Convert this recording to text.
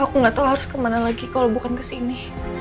aku gak tau harus kemana lagi kalau bukan kesini